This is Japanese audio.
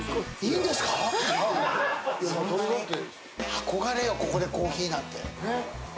憧れよ、ここでコーヒーなんて。